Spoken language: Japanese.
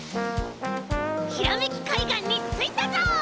ひらめきかいがんについたぞ！